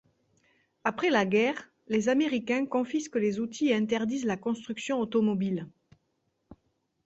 Après la guerre, les Américains confisquent les outils et interdisent la construction automobile.